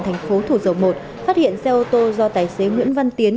thành phố thủ dầu một phát hiện xe ô tô do tài xế nguyễn văn tiến